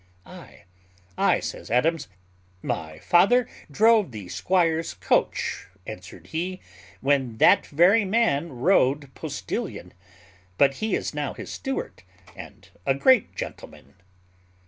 "Ay! ay!" says Adams. "My father drove the squire's coach," answered he, "when that very man rode postillion; but he is now his steward; and a great gentleman."